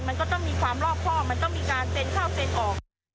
มันก็ต้องมีความรอบครอบมันต้องมีการเซ็นเข้าเซ็นออก